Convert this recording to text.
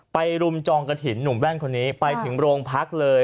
รุมจองกระถิ่นหนุ่มแว่นคนนี้ไปถึงโรงพักเลย